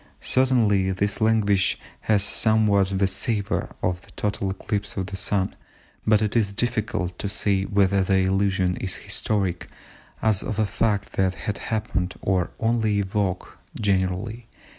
Certainly this language has somewhat the savour of a total eclipse of the Sun, but it is difficult to say whether the allusion is historic, as of a fact that had happened, or only a vague generality.